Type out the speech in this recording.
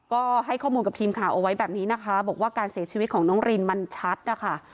ก็ให้ข้อมูลกับทีมข่าวเอาไว้แบบนี้นะคะบอกว่าการเสียชีวิตของน้องรินมันชัดนะคะ